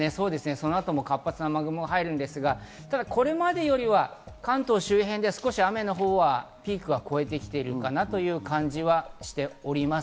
この後も活発な雨雲が入るんですが、これまでよりは関東周辺では雨のほうはピークは越えてきているかなという感じはしております。